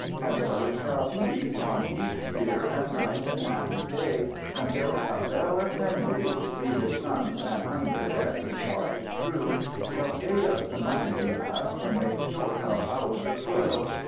And so it shall be, on each dear and nice and happy day, until Cabell Effendi be his sons an hundred and his wives true! shall pay us the money we ask and make short our hours of toil.